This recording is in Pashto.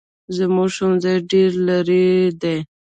زموږ ښوونځی ډېر لري دی